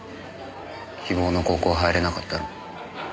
希望の高校入れなかったの。